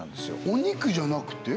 お肉じゃなくて？